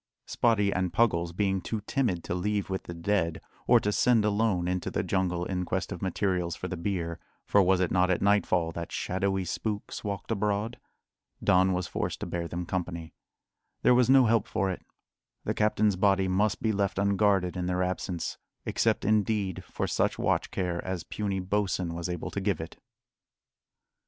Spottie and Puggles being too timid to leave with the dead, or to send alone into the jungle in quest of materials for the bier for was it not at nightfall that shadowy spooks walked abroad? Don was forced to bear them company. There was no help for it; the captain's body must be left unguarded in their absence except, indeed, for such watch care as puny Bosin was able to give it.